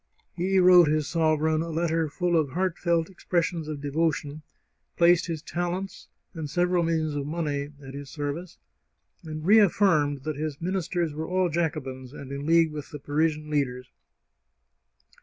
He wrote his sovereign a letter full of heart felt expressions of devotion, placed his talents and several millions of money at his service, and reaflfirmed that his ministers were all Jacobins, and in league with the Parisian leaders.